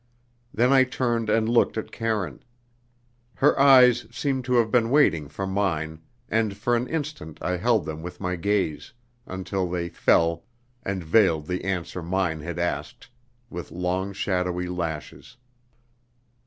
Then I turned and looked at Karine. Her eyes seemed to have been waiting for mine, and for an instant I held them with my gaze, until they fell, and veiled the answer mine had asked, with long shadowy lashes.